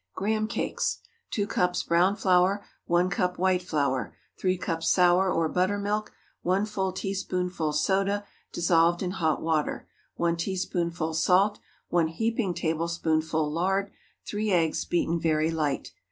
GRAHAM CAKES. ✠ 2 cups brown flour. 1 cup white flour. 3 cups sour or buttermilk. 1 full teaspoonful soda, dissolved in hot water. 1 teaspoonful salt. 1 heaping tablespoonful lard. 3 eggs, beaten very light.